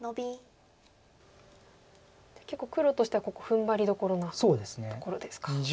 結構黒としてはここ踏ん張りどころなところですか。